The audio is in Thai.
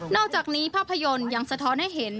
อกจากนี้ภาพยนตร์ยังสะท้อนให้เห็น